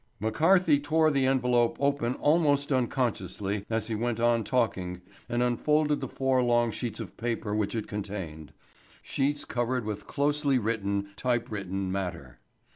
McCarthy tore the envelope open almost unconsciously as he went on talking and unfolded the four long sheets of paper which it contained, sheets covered with closely written typewritten matter.